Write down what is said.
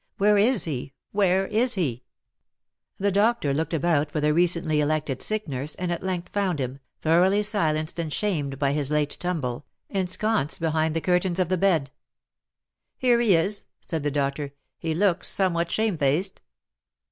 "Where is he? Where is he?" The doctor looked about for the recently elected sick nurse, and at length found him, thoroughly silenced and shamed by his late tumble, ensconced behind the curtains of the bed. "Here he is," said the doctor; "he looks somewhat shamefaced."